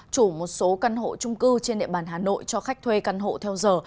chủ một số căn hộ trung cư trên địa bàn hà nội cho khách thuê căn hộ theo giờ